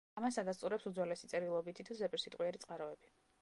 ამას ადასტურებს უძველესი წერილობითი თუ ზეპირსიტყვიერი წყაროები.